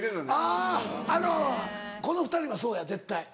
あぁあのこの２人はそうや絶対。